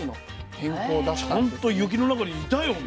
ちゃんと雪の中にいたよね。